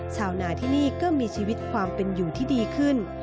ชาวนาที่นี่ก็มีชีวิตความเป็นอยู่ที่ดีขึ้น